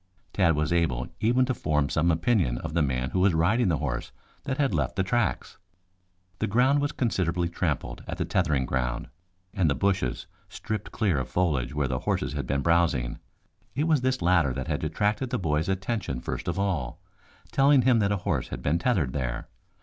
Tad was able even to form some opinion of the man who was riding the horse that had left the tracks. The ground was considerably trampled at the tethering ground, and the bushes stripped clear of foliage where the horse had been browsing. It was this latter that had attracted the boy's attention first of all, telling him that a horse had been tethered there.